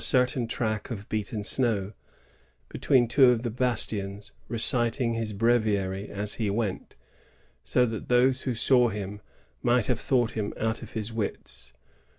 265 certain track of beaten snow, between two of the bastions, reciting his breviary as he went, so that those who saw him might have thought him out of his wits.